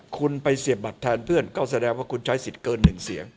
คุณไปเสียบบัตรแทนเพื่อนก็แสดงว่าคุณใช้สิทธิ์เกิน๑เสียง